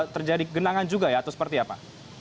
terjadi genangan juga ya atau seperti apa